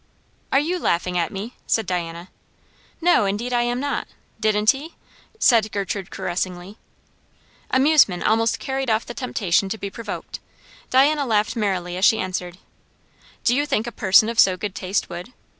"Are you laughing at me?" said Diana. "No, indeed I am not. Didn't he?" said Gertrude caressingly. Amusement almost carried off the temptation to be provoked. Diana laughed merrily as she answered, "Do you think a person of so good taste would?"